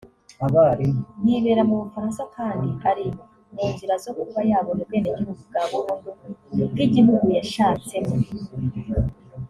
yibera mu Bufaransa kandi ari mu nzira zo kuba yabona ubwenegihugu bwa burundu bw’igihugu yashatsemo